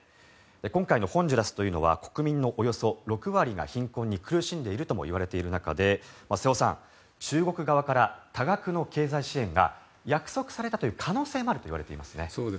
今回のホンジュラスというのは国民のおよそ６割が貧困に苦しんでいるともいわれている中で瀬尾さん、中国側から多額の経済支援が約束されたという可能性もあるといわれていますね。